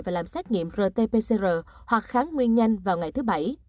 và làm xét nghiệm rt pcr hoặc kháng nguyên nhanh vào ngày thứ bảy